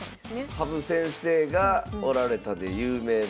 羽生先生がおられたで有名な。